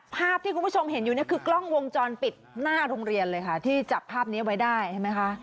ภาพที่คุณผู้ชมเห็นอยู่เนี่ยคือกล้องวงจรปิดหน้าโรงเรียนเลยค่ะที่จับภาพนี้ไว้ได้ใช่ไหมคะ